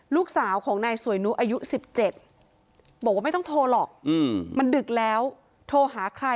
ลูกสาวของนายสวยนุอายุ๑๗บอกว่าไม่ต้องโทรหรอกมันดึกแล้วโทรหาใคร